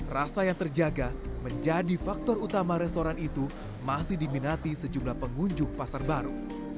rasa yang terjaga menjadi faktor utama restoran itu masih diminati sejumlah pengunjung pasar baru